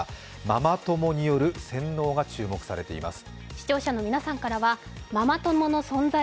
ママ友による、洗脳が注目されています。